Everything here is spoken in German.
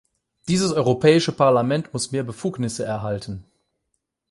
Dieses Europäische Parlament muss mehr Befugnisse erhalten!